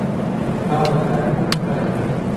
او د نارينه وو کار يې ګڼو.